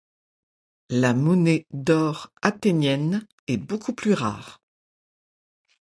La monnaie d'or athénienne est beaucoup plus rare.